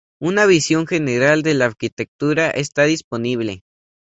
Una visión general de la arquitectura está disponible.